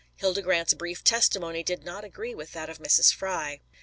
Hilda Grant's brief testimony did not agree with that of Mrs. Fry.